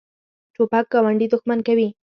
توپک ګاونډي دښمن کوي.